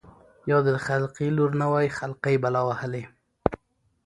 يا دا د خلقي لـور نه وای خـلقۍ بلا وهـلې.